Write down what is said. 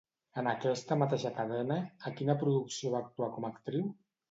En aquesta mateixa cadena, a quina producció va actuar com a actriu?